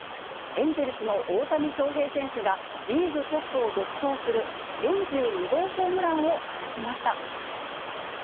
エンゼルスの大谷翔平選手が、リーグトップを独走する、４２号ホームランを放ちました。